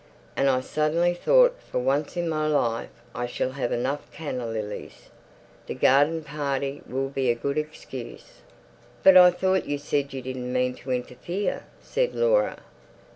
And I suddenly thought for once in my life I shall have enough canna lilies. The garden party will be a good excuse." "But I thought you said you didn't mean to interfere," said Laura.